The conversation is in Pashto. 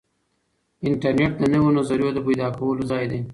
انټرنیټ د نویو نظریو د پیدا کولو ځای دی.